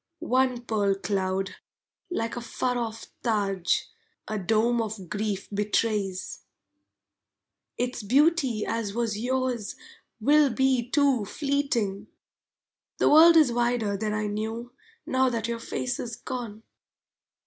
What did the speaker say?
One pearl cloud, like a far off Taj, A dome of grief betrays Its beauty as was yours will be too fleeting! The world is wider than I knew Now that your face is gone!